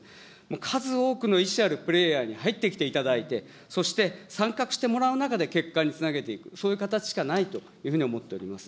数多くの意思あるプレーヤーに入ってきていただいて、そして参画してもらう中で、結果につなげていく、そういう形しかないというふうに思っております。